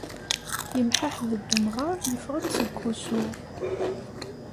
Yemḥaḥḥed-d umɣar yeffeɣ-d seg wusu.